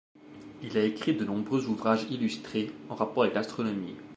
Il a écrit de nombreux ouvrages illustrés en rapport avec l'astronomie.